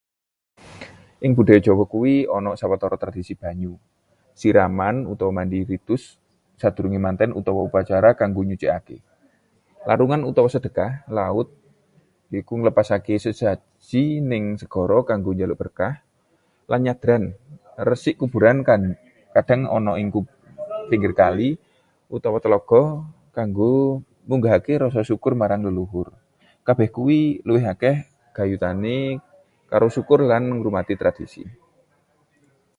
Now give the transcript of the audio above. Ing budaya Jawa kita ana sawetara tradisi banyu: siraman utawa mandhi ritus sadurunge manten utawa upacara kanggo nyucèkaké, larungan utawa sedekah laut yaiku nglepasake sesaji neng segara kanggo njaluk berkah, lan nyadran, resik kuburan kadhang ana ing pinggir kali utawa tlaga kanggo munggahake rasa syukur marang leluhur. Kabeh kuwi luwih akèh gayutane karo syukur lan ngurmati tradisi.